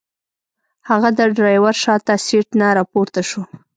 هغه د ډرایور شاته سیټ نه راپورته شو.